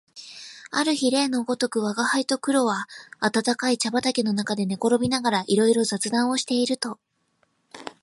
ある日例のごとく吾輩と黒は暖かい茶畠の中で寝転びながらいろいろ雑談をしていると、